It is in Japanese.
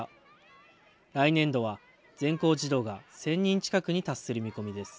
来年度は全校児童が１０００人近くに達する見込みです。